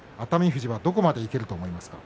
富士はどこまでいけると思いますか？